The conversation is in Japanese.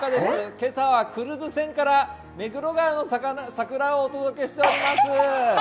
今朝はクルーズ船から目黒川の桜をお届けしております。